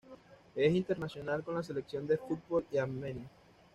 Es internacional con la selección de fútbol de Armenia.